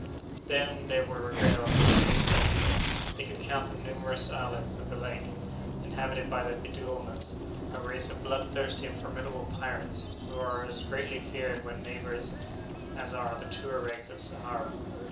Then then were regaled with a new spectacle. They could count the numerous islets of the lake, inhabited by the Biddiomahs, a race of bloodthirsty and formidable pirates, who are as greatly feared when neighbors as are the Touaregs of Sahara.